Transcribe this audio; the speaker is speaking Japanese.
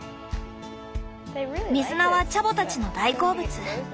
水菜はチャボたちの大好物。